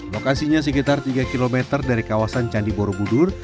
lokasinya sekitar tiga km dari kawasan candi borobudur